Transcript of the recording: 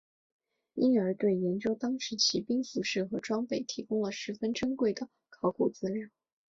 因而对研究当时骑兵服饰和装备提供了十分珍贵的考古资料。